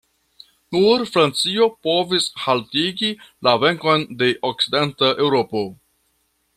Nur Francio povis haltigi la venkon de okcidenta Eŭropo.